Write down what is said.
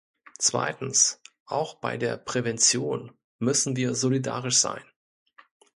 Zweitens, auch bei der Prävention müssen wir solidarisch sein.